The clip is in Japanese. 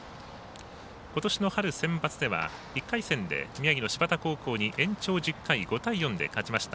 ことしの春センバツでは１回戦で宮城の高校に延長１０回、５対４で勝ちました。